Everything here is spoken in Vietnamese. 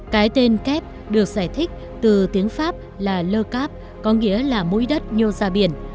cái tên kép được giải thích từ tiếng pháp là lơ cáp có nghĩa là mũi đất nhô ra biển